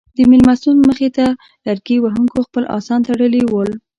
د مېلمستون مخې ته لرګي وهونکو خپل اسان تړلي ول.